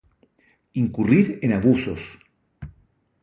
Incurrir en abusos